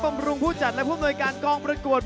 บำรุงผู้จัดและผู้อำนวยการกองประกวด